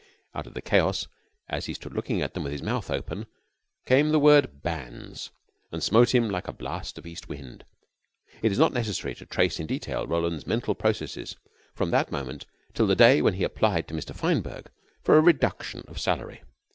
Out of the chaos, as he stood looking at them with his mouth open, came the word "bans," and smote him like a blast of East wind. It is not necessary to trace in detail Roland's mental processes from that moment till the day when he applied to Mr. Fineberg for a reduction of salary.